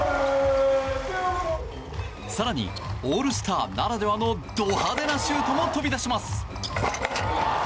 更に、オールスターならではのド派手なシュートも飛び出します。